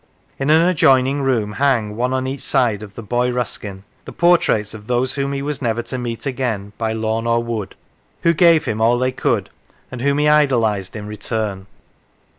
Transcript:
In an adjoining room hang, one on each side of the boy Ruskin, the portraits of those whom he was never to meet again by lawn or wood, who gave him all they could, and whom he idolised in return.